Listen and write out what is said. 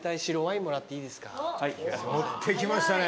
乗ってきましたね。